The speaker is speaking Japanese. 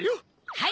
はい！